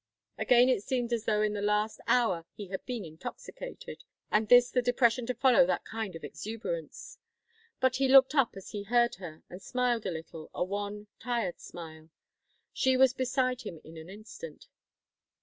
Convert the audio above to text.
Again it seemed as though in the last hour he had been intoxicated, and this the depression to follow that kind of exuberance. But he looked up as he heard her, and smiled a little, a wan, tired smile. She was beside him in an instant.